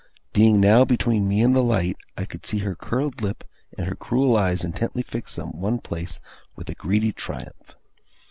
Being now between me and the light, I could see her curled lip, and her cruel eyes intently fixed on one place, with a greedy triumph.